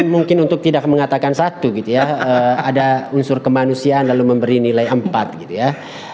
mungkin untuk tidak mengatakan satu gitu ya ada unsur kemanusiaan lalu memberi nilai empat gitu ya